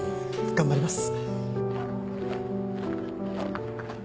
頑張ります。